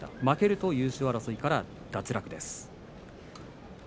負けると優勝争いから脱落です。